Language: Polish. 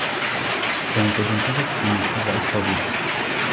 Chcę podziękować Komisji za odpowiedź